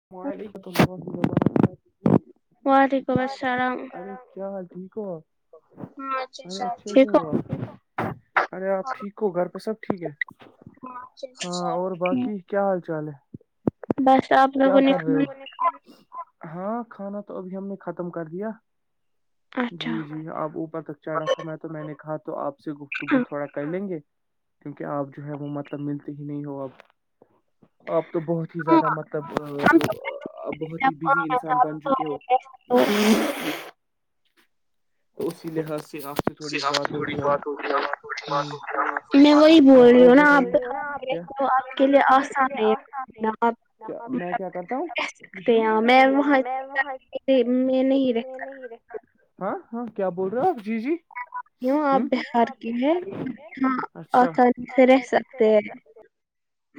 [unintelligible] ارے کیا حال ٹھیک ہو ارے اچھے سے ہوا [unintelligible] ارے آپ ٹھیک ہو گھر پہ سب ٹھیک ہے [unintelligible] ہاں اور باقی کیا حال چال ہے بس آپ کیا کر رہے ہو ہاں کھانا تو ابھی ہم نے ختم کر دیا جی جی اب اوپر تک چڑھا تھا میں تو میں نے کہا تو آپ سے گفتگو تھوڑا کر لیں گے کیونکہ آپ جو ہے وہ مطلب ملتے ہی نہیں ہو اب اپ تو بہت ہی زیادہ مطلب تب جو بہت ہی بزی انسان بن چکے ہو اسی لحاظ سے آپ سے تھوڑی بات ہوگ بڑی بات ہو بڑی بات ہو آپ کے لیے آسان ہے میں کیا کرتا ہوںاں میں نہیں ہاں ہاں کیا بول رہے ہو آپ جی جی یوں آپ بہار کی ہے یہاں آسانی سے رہ سکتے ہیں [unintelligible]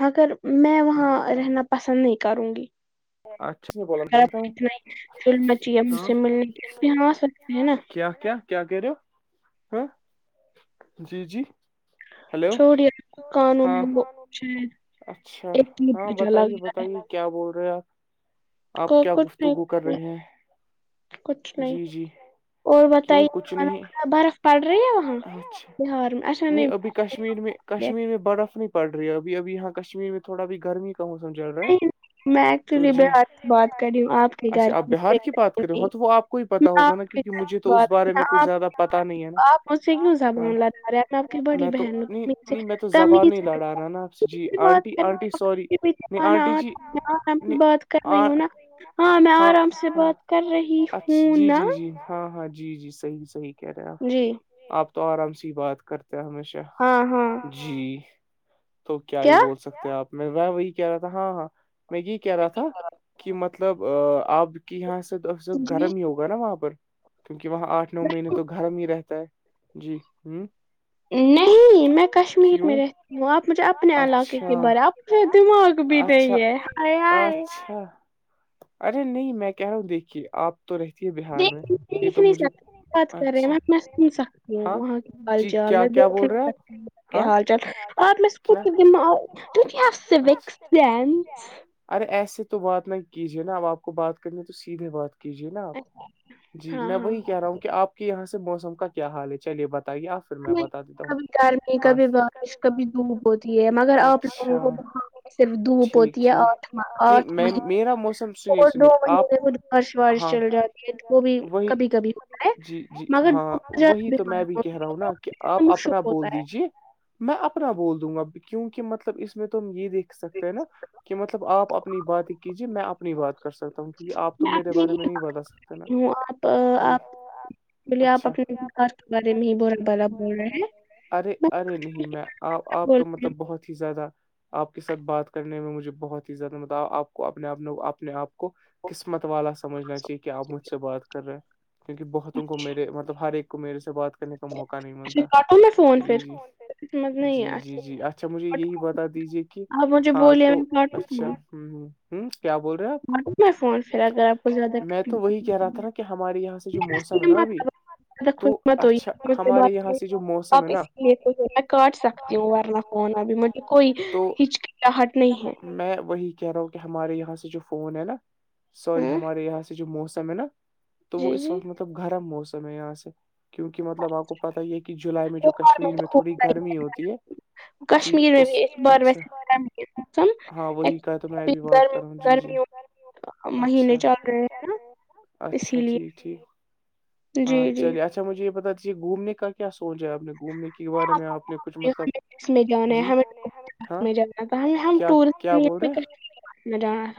مگر میں وہاں رہنا پسند نہیں کروں گی اچھا میں بتا ہوں ہ کیا کیا [unintelligible] کیا کہ رہے ہو ہ جی جی [unintelligible] ہلو ہاں اچھا ہاں بتائیے بتائیے کیا بول رہے آپ کو کچھ نہیںچ کچھ نہیں اور بتائیے برف پڑ رہی ہے وہاں بہار میں اچھا میں کشمیر میں برف نہیں پڑ رہی ہے اب ابھی یہاں کشمیر میں تھوڑا بھی گرمی کا موسم چل رہا ہے میں ایکچولی بات سے بات کر رہی ہوں آپ کے گھر کوئی پتا ہوگا نا کیونکہ مجھے تو اس بارے میں کچھ زیادہ پتا نہیں ہے نا ہاں میں تو نہیں نہیں میں تو زبان ہی لڑا رہا نا آپ سے جی آنٹی آنٹی سوری میں آنٹی جی آرام سے بات کر رہی ہوں نا ہاں میں آرام سے بات کر رہی ہوں نا ہاں ہاں جی جی صحیح صحیح کہہ رہے آپ تو آرام سے ہی بات کرتے ہیں ہمیش ہاں ہاں جی تو کیا یہ بول سکتے ہیں آپ میں میں وہی کہہ رہا تھا ہاں ہاں میں کہہ رہا تھا کہ مطلب آپ کے یہاں سے گرم ہی ہوگا نا وہاں پر کیونکہ وہاں آٹھ نو مہینے تو گھرم ہی رہتا ہے جی ہوں نہیں میں کشمیر میں رت وہ آپ مجھے اپنے علاقے کی بارے آپ دماغ بھی نہیں ہے آ آئے اچھا ارے نہیں میں کہہ رہا ہوں دیکھیے آپ تو رہتی ہے بہار میں یہ تو مجھے بات کر رہے میں اپ میں سن سکتی ہوں وہاں کے ہال چال میں دو کھلو بیتی ہوں کیا حال چال آپ میں د سوک سینس ارے ایسے تو بات نہ کیجیے نا اب آپ کو بات کرنی تو سیدھے بات کیجے نا آپ جی میں وہی کہہ رہا ہوں کہ آپ کہ یہاں سے موسم کا کیا حال ہے چلیے بتائیے آپ کبھی گرمی کبھی بارش کبھی دھوپ ہوتی ہے مگر آپ لوگوں کو ب صرف دھوپ ہوتی ہے اور آٹھ مہینے اور دو مہینے مینے بارش وارش چل جاتی وہ بھی کبھی کبھی ہوتاا ہے مگر کہ آپ اپنا بول دیجے میں اپنا بول دوں گا کیونکہ مطلب اس میں تم یہ دیکھ سکتے ہیں نا کہ مطلب آپ اپنی بات ہی کیجیے میں اپنی بات کر سکتا ہوں کیونکہ آپ تو میرے بارے میں نہیں بتا سکتے وہ آپ آپ اچھا ارے ارے نہیں میں آپ آپ تو مطلب بہت ہی زیادہ آپ کے ساتھ بات کرنے میں مجھے بہت ہی زیادہ مطلب آپ کو اپنے اپنے اپنے آپ کو قسمت والا سمجھنا چاہیے کہ آپ مجھ سے بات کر رہے ہیں کیونکہ بہتوں کو میرے مطلب ہر ایک کو میرے ساتھ بات کرنے کا موقع نہیں ملتا جی جی جی جی جی اچھا مجھے یہی بتا دیجیے کہ ہاں تو اچھا ہمم ہمم کیا بولتی میں فون پھرا کر آپ کو زیادہ زیادہ خوش مت ہوئی میی آپ اس لیے تو کاٹ سک تی ہوں ورن فون ابھی مجھے کوئی ہچکچاہٹ نہیں ہے میں وہی کہہ رہا ہوں کہ ہمارے یہاں سے جو فون ہے نا سوری ہمارے یہاں سے جو موسم ہے نا تو وہ اس وقت مطل مطلب گرم موسم ہے یہاں سے کیونکہ مطلب آپ کو پتا یہ کہ کہ جولائی میں جو کشمیر میں تھوڑی گرمی ہوتی ہے جی اس اچھا گرمیوں میںی مہینے چل رہے ہیں نا اچھا ٹھیک ٹھیک ہاں چلیے اچھا مجھے یہ بتا دیجیے گھومنے کا کیا سوچا آپ نے گھومنے کے بارے میں آپ نے کچھ مطلب جی [unintelligible] کیا بول رہے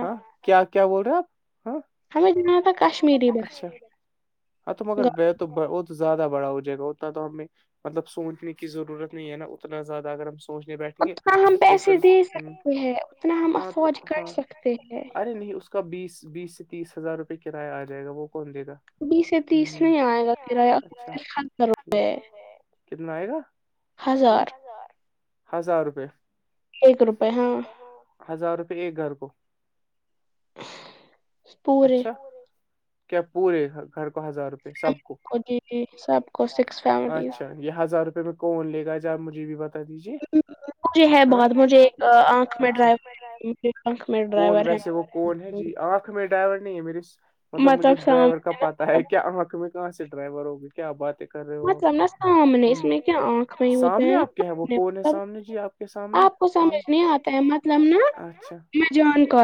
ہاں کیا کیا بول رہے آپ ہاں ہمیں جانا تھا کشمیری بس ہاں تو مگر وہ تو وہ تو زیادہ بڑا ہو جائے گا اتنا تو ہمیں مطلب سوچنے کی ضرورت نہیں ہے نا اتنا زیادہ اگر ہم پہنچنے بیٹھے گے تو پھر ہ ہے اتنا ہاں تو ہاں ارے نہیں اس اس کا بیس بیس سے تیس ہزار روپئے کرایہ آ جائے گا وہ کون دے گا بیس سےیا تیس نہیں آئے گا کرایہ خل کروئے کتنا آئے گا جی ہزار روپئے ایک روپئے ہاں ہزار روپئے ایک گھر کو [unintelligible] اچھا کیا پورے گھر کو ہزار روپے خود سب کو سکس فیملیز یہ ہزار روپے میں کون لے جاےگا زرا آ مجھے بھی بتا دیجیے ہاں اچھا کون ویسے وہ کون ہے جی آپ میں ڈرائیور نہیں ہے میرے مطلب مجھے ڈرائیور کا پتا ہے کیا آنکھ میں کہاں سے ڈرائیور ہوگی کیا باتیں کر رہے ہو ہ سامنے آپ کے ہیں وہ کون ہے سامنے جی آپ کے سامنے اچھا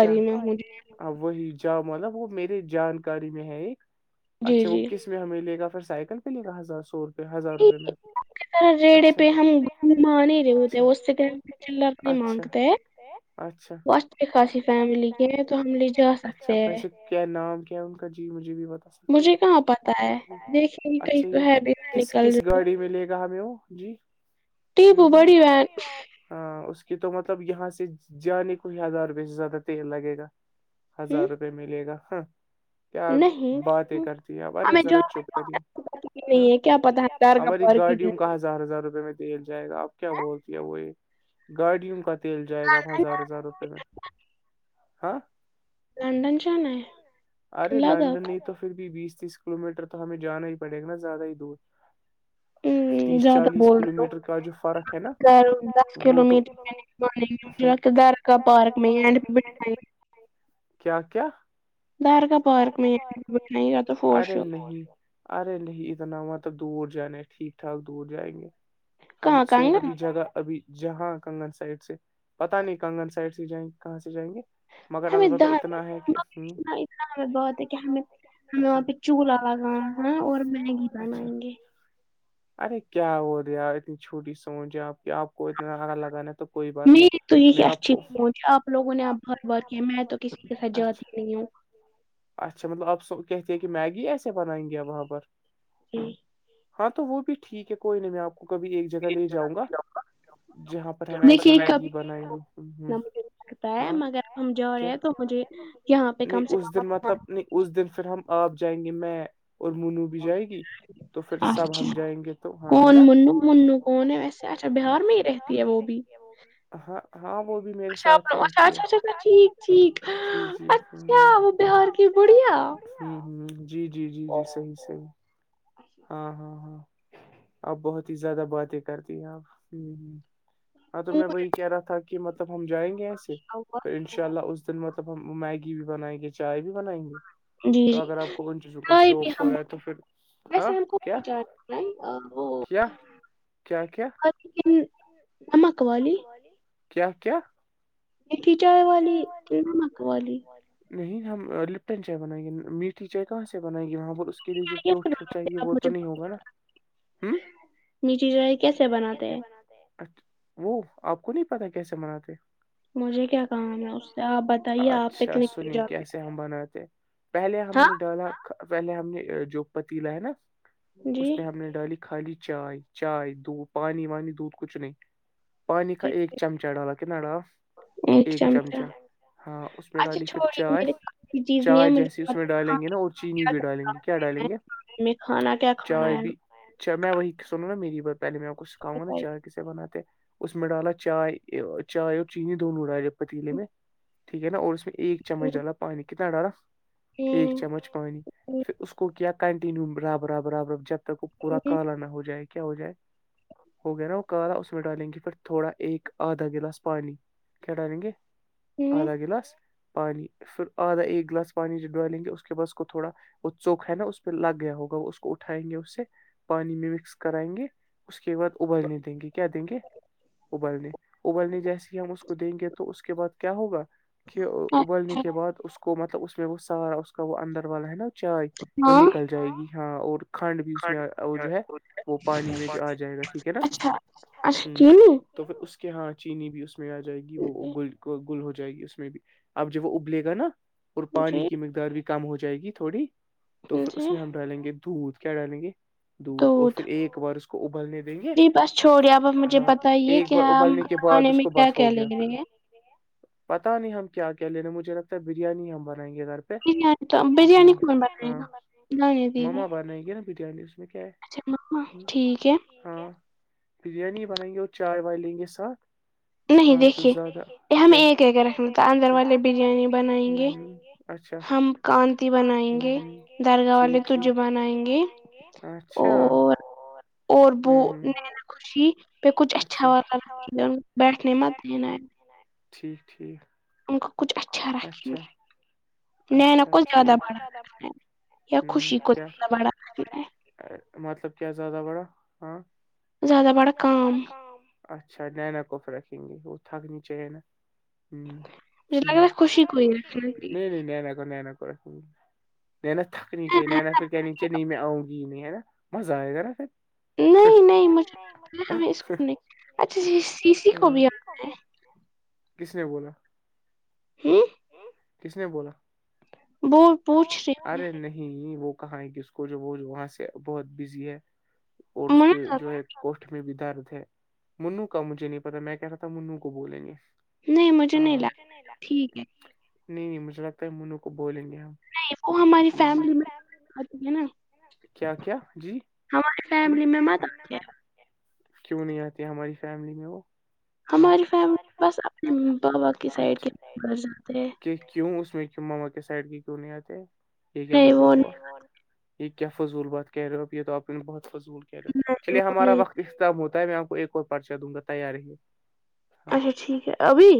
ہ وہی جاؤ مالا وہ میے جانکاری میں ہے ایک اچھا وہ کس میں ہمیں لے گا پھر سائیکل پ لے گا ہزار سوپئے روپئے میں اس طرح ریڑے پہ ہم گھمانے رہے ہوتےے اس سے کیا لر نہیں مانگتے ہیں ب خاصی فیملی کے ہے تو ہم لے جا سکتے ا سے کیا نام کیا ان کا جی مجھے بھی بتا اچھا ج کس کس گاڑی ملے گا ہمیں وہ جی ٹیپو بڑی وین ہاں اس کی تو مطلب یہاں سے جانے کو ہی ہزار روپئے سے زیادہ تیل لگے گا ہزار روپئے ملے گا ہاں کیا باتیں کرتی ہے بارے ذرا چپ کریے ہاں ہماری گارڈیوں کہاں ہزار ہزار روپئے میں تیل جائے گا آپ کیا بولتی ہیں وہ یہ گاڈی کا تل جائے گا اب ہزار ہزار روپے میں ہاں ارے لنڈن نہیں تو پھر بھی بیس تیس کلو میٹر تو ہمیں جانا ہی پڑے گا نا زیادہ ہی دور زیادہ بول رہے ہو دس کلو میٹر د پارک میںینڈ کیا کیا دارگا پارک میں رہ تو فور ش ارے نہیں اتنا ہواںلب دور جانا ہے ٹھیک ٹھاک دور جائیں گے ہم سون ابھی جگہ ابھی جہاں کنگن سائڈ سے پتا نہیں کنگن سائڈ سے جائیں کہاں سے جائیں گے مگر البتہ اتنا ہے کہ ہ ہاں ہمیں بہت ہے کہ ہمیں ہمیں وہاں پہ چولہا لگانا ہے اور میگی بنائیں گے ارے کیا ہو دیا اتنی چھوٹی سمجھ ہے آپ کی آپ نہیں تو یہ اچھی سوچ آپ لوگ نے آپ بار بار ک میں تو کسی کے ساتھ جاتی نہیں ہو اچھا مطلب آپ س کہتے ہیں کہ میگی ایسے بنائیں گے وہاں پر جی ہاں تو وہ بھی ٹھیک ہے کوئی نہیں میں آپ کو کبھی ایک جگہ لے جاؤں گا جہاں پر ہم ایسیے میگی بنائیں گے ہ تا ہے مگر ہم جا رہے ہیں تو مجھے یہاں پہ کم سے کم مطلب نہیں اس دن پھر ہم آپ جائیں گے میں اور منو بھی جائے گی اچھا کون منو منو کون ہے ویسے اچھا بہار میں ہی رہتی ہے وہ بھی اچھا اپا اچھا اچھا اچا ٹھیک ٹھیک اچھا وہ تیوار کی بڑییا ہ ہ جی جی جی جی صحیح صحیح ہاں ہاں ہاں اب بہت ہی زیادہ باتیں کرتی ہیں اپ ہ ہ ہاں تو میں وہی کہہ رہا تھا کہ مطلب ہم جائیں گے ایسے پ ان شاء اللہ اس دن مطلب ہم میگی بھی بنائیں گے چائے بھی بنائیں گے تو اگر آپ کو ان چیزوں کا شوق ہو رہا ہے تو پھر ار کیا کیا نمک والالی کیا کیا می تھی چائے والی کی مک والی نہیں ہم لپٹن چائے بنائیں گے میٹھی چائے کہاں سے بنائیں گے وہاں پر اس کے لیے جو ٹیٹ چاہیے وہ تو نہیں ہوگا نا ہ سے بنات وہ آپ کو نہیں پتا کیسے بناتے مجھے اچھا سنیے کیسے ہم بناتے پہلے ہم نے ڈالا پہلے ہم نے جو پتیلا ہے نا اس میں ہم نے ڈالی خالی چائے چائے دودھ پانی وانی دودھ کچھ نہیں پانی کا ایک چمچہ ڈالا کہ ن ڈالا ایک چمچا ہاں اس میں ڈالی پھر چائے چائے جیسی اس میں ڈالیں گے نا اور چینی بھی ڈالیں گے کیا ڈالیں گے میں کھانا کیا کھانا ہے اچھا میں وہی سنوں نا میری ب پہلے میں کو سکھاں گا چاہ ے بناتے اس میں ڈالا چائے چائے اور چینی دونوں ڈالا جب پتیلے میں ٹھیک ہے نا اور اس میں ایک چمچ ڈالا پانی کتنا ڈالا ایک چمچ پانی پھر اس کو کیا کنٹینیو رب رب رب رب جب کو پورا کالا نہا ہو جائے گا کیا ہو جائے ہو گیا نا وہ کالا اس میں ڈالیں گے پ تھوڑا ایک آدھا گلاس پانی کٹا رنے آدھا گلاس پانی پھر آدھا ایک گلاس پانی جو ڈالیں گے اس کے بعد اس کو تھوڑا وہ چوک ہے نا اس پہ لگ گیا ہوگا وہ اس کو اٹھائیں گے اس سے پانی میں مکس کرائیں گے اس کے بعد ابلنے دیں گی کیا دیں گے ابلنے ابلنے جیسے ہی ہم اس کو دیں گے تو اس کے بعد کیا ہوگا [inaudible] ا چا وہ نکل جائے گی ہاں اور کھنڈ بھی اس میں وہ جو ہے وہ پانی میں جو آ جائے گا ٹھیک ہے نا ہ تو پھر اس کے یہاں چینی بھی اس میں آ جائے گی وہ گل گل ہو جائے گی اس میں بھی اب جب وہ ابلے گا نا اور پانی کی مقدار بھی کم ہو جائے گی تھوڑی تو پھر اس میں ہم ڈالیں گے دودھ کیا ڈالیں گے دودھ اور پھر ایک بار اس کو کو ابلنے دیں گے ہاں ایک بار ابلنے کے بعد اس کو بس ہو گیا پھر پتا نہیں ہم کیا کیا لینےا مجھے لگتا ہے بریانی ہم بنائیں گے گھر جی ہاں مما بنیں گے نا بریانی اس میں کیا ہے اچا م ٹھیک ہے ہاں بریانی بنیں گے اور چائے وائے لیں گے ساتھ ہاں تو زیادہ کیا ایک اندر والے بریانی بنائیں گے ہم کانتی بنائیں گے درگاہ والے تج بنائیں گے چھ اور ب نا خوشی پ کچھ اچھا والا ل بیٹھنے مت دین ٹھیک ٹھیک ان کو کچھ اچھا رکھیں گے نینا کو زیادہ بڑا ہ کیا مطلب کیا زیادہ بڑا ہاں زیادہ بڑا کام اچھا نینا کوف رکھیں گے وہ تھک نچے نا ہ لگا خوشی کوئی ر کی نہیں ن ن نہ کرا نیا ن نہ کرا س بول ن نا تھکنی چاہیے نت پ کہنی چاہیے نہیں میں آؤں گی نہیں ہے نا مزہ آئے گا ہے نا پھر نہیں نہیں مجھے ہمیں اسک نہیں اچھا سی کو بھی کس نے بولا ھمم کس نے بولا ارے نہیں وہ کہاں ہے کہ اس کو جو وہ وہاں سے بہت بزی ہے اور اس کے جو ہے کو میں بھی درد ہے منو کا مجھے نہیں پتا میں کہہ رہا تھا منو کو بولیں گے نہیں مجھے نہیں لگتا ٹھیک ہے نہیں نہیں مجھے لگتا ہے منو کو بولیں گے ہم وہ ہماری فیملی میں آتی ہے نا کیا کیا جی کیوں نہیں آتی ہماری فیملی میں وہ ہماری فیملی بس اپنے بابا کی سائڈ کے گھر جاتے ہیں کہ کیوں اس میں کی ماما کے سائڈ کے کیوں نہیں آتے یہ کیا مطلب وہ یہ کیا فضول بات کہہ رہے ہو آپ یہ تو آپ ان بہت فضول کہہے ہو چلیے ہمارا وقت اس طم ہوتا ہے میں آپ کو ایک اور پرچہ دوں گا تیار ہی اچھا ٹھیک ہے ابھی